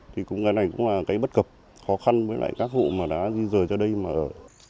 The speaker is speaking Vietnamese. thì cái này cũng là cái bất cập khó khăn với các hộ mà đã di dời cho đây mà ở